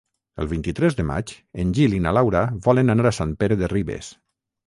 El vint-i-tres de maig en Gil i na Laura volen anar a Sant Pere de Ribes.